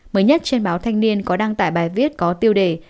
mới nhất trên báo thanh niên có đăng tải bài viết có tiêu đề